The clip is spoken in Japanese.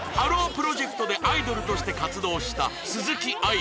プロジェクトでアイドルとして活動した鈴木愛理